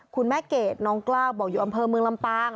คุณแม่เกดน้องกล้าวบอกอยู่อำเภอเมืองลำปาง